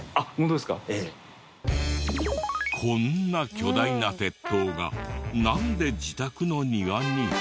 こんな巨大な鉄塔がなんで自宅の庭に？